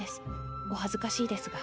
お恥ずかしいですが。